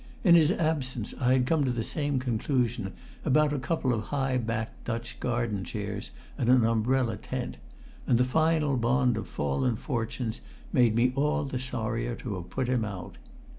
In his absence I had come to the same conclusion about a couple of high backed Dutch garden chairs and an umbrella tent; and the final bond of fallen fortunes made me all the sorrier to have put him out.